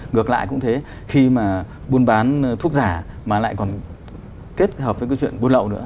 ngược lại cũng thế khi mà buôn bán thuốc giả mà lại còn kết hợp với cái chuyện buôn lậu nữa